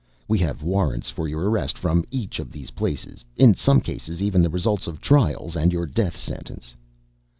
We have warrants for your arrest from each of these places, in some cases even the results of trials and your death sentence."